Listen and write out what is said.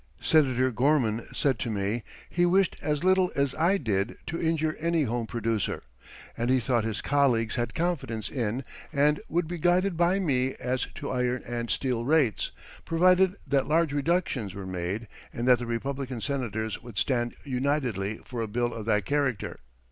Senator Gorman said to me he wished as little as I did to injure any home producer, and he thought his colleagues had confidence in and would be guided by me as to iron and steel rates, provided that large reductions were made and that the Republican Senators would stand unitedly for a bill of that character.